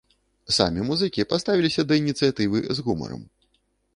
Самі музыкі паставіліся да ініцыятывы з гумарам.